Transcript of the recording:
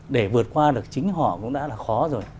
để vượt qua được chính họ cũng đã là khó rồi